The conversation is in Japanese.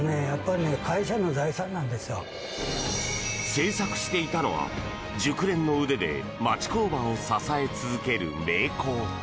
製作していたのは、熟練の腕で町工場を支え続ける名工。